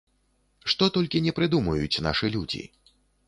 Што толькі не прыдумаюць нашы людзі.